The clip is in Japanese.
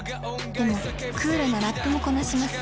でもクールなラップもこなします！